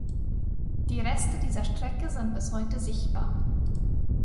Die Reste dieser Strecke sind bis heute sichtbar.